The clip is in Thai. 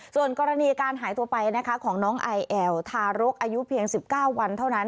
ส่วนกรณีการหายตัวไปนะคะของน้องไอแอลทารกอายุเพียง๑๙วันเท่านั้น